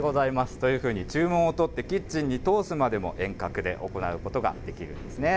というふうに、取って、キッチンに通すまでも遠隔で行うことができるんですね。